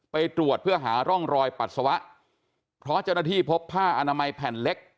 ไปตรวจเพื่อหาร่องรอยปัสสาวะเพราะเจ้าหน้าที่พบผ้าอนามัยแผ่นเล็ก